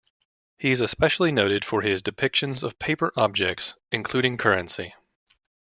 He is especially noted for his depictions of paper objects, including currency.